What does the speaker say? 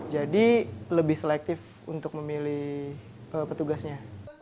jadi lebih selektif untuk memilih petugasnya